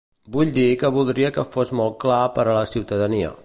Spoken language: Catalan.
Vull dir que voldria que fos molt clar per a la ciutadania.